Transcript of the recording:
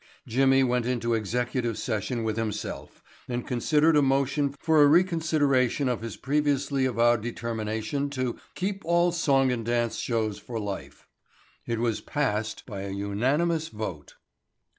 Jimmy went into executive session with himself and considered a motion for a reconsideration of his previously avowed determination to "keep all song and dance shows for life." It was passed by a unanimous vote.